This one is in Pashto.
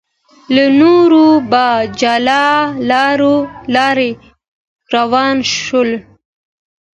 له نورو په جلا لار روان شول.